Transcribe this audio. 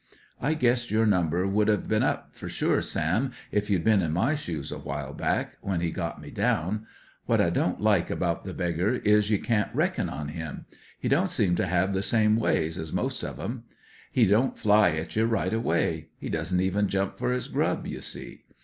I guess your number would 'ave been up for sure, Sam, if you'd been in my shoes a while back, when he got me down. What I don't like about the beggar is you can't reckon on him; he don't seem to have the same ways as most of 'em. He don't fly at ye right away; he doesn't even jump for his grub, you see.